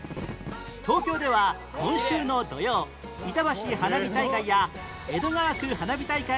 東京では今週の土曜いたばし花火大会や江戸川区花火大会が開かれます